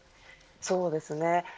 そうですね。